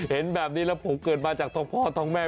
เห็นแบบนี้แล้วผมเกิดมาจากท้องพ่อท้องแม่